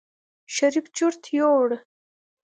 شريف چورت يوړ.